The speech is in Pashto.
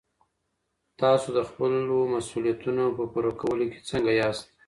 تاسو د خپلو مسولیتونو په پوره کولو کي څنګه یاست؟